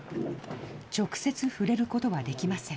直接触れることはできません。